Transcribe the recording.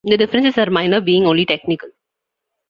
The differences are minor being only technical.